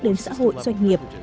đến xã hội doanh nghiệp